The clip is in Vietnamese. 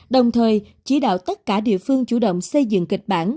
đồng thời chỉ đạo tất cả địa phương chủ động xây dựng kịch bản